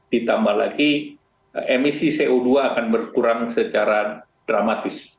ditambah lagi emisi co dua akan berkurang secara dramatis